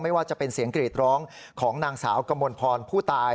ว่าจะเป็นเสียงกรีดร้องของนางสาวกมลพรผู้ตาย